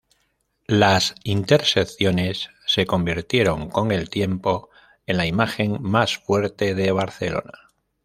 Las intersecciones se convirtieron con el tiempo en la imagen más fuerte de Barcelona.